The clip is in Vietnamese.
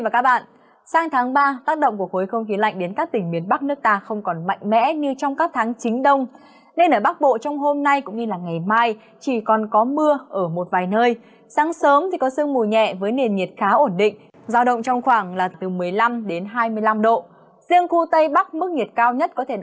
các bạn hãy đăng ký kênh để ủng hộ kênh của chúng mình nhé